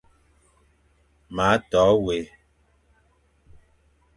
Ma to wé,